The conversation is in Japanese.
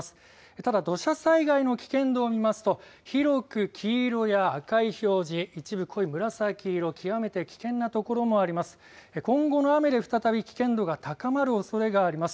ただ土砂災害の危険度を見ますと広く黄色や赤い表示、一部濃い紫色、極めて危険なところもあります。